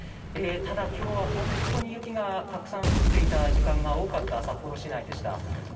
ただ今日は本当に雪がたくさん降っていた時間が多かった札幌市内でした。